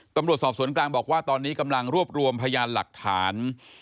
ตำรวจสอบสวนกลางบอกว่าตอนนี้กำลังรวบรวมพยานหลักฐาน